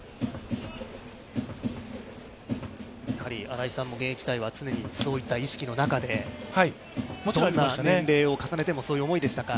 新井さんも現役時代は、常にそういった意識の中で、どんなに年齢を重ねてもそういうものでしたか？